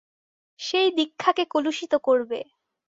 সেই দীক্ষাকে কলুষিত করবে।